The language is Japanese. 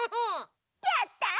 やった！